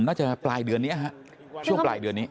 น่าจะมาปลายเดือนนี้ฮะช่วงปลายเดือนนี้